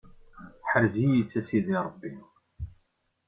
Ḥrez-iyi-t a sidi Ṛebbi.